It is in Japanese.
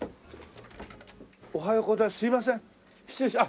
おはようございます。